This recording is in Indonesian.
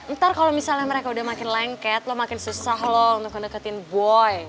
ntar kalo misalnya mereka udah makin lengket lo makin susah loh untuk mendeketin boy